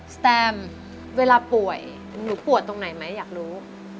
แตมเวลาป่วยหนูปวดตรงไหนไหมอยากรู้